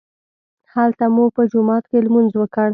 هلته مو په جومات کې لمونځ وکړ.